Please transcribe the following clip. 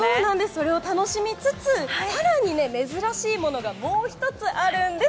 それを楽しみつつ更に珍しいものがもう１つ、あるんです。